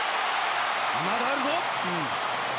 まだあるぞ！